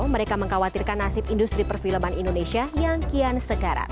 mereka mengkhawatirkan nasib industri perfilman indonesia yang kian sekarat